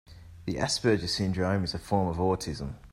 The Asperger syndrome is a form of autism.